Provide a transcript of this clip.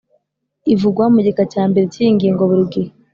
ivugwa mu gika cya mbere cy’iyi ngingo buri gihe.